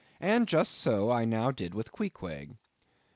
And just so I now did with Queequeg.